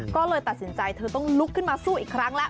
ก็เลยตัดสินใจเธอต้องลุกขึ้นมาสู้อีกครั้งแล้ว